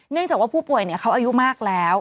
จากว่าผู้ป่วยเขาอายุมากแล้ว